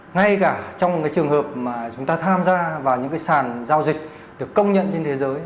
ngay cả trong trường hợp mà chúng ta tham gia vào những sàn giao dịch được công nhận trên thế giới